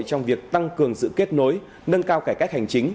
trong việc tăng cường sự kết nối nâng cao cải cách hành chính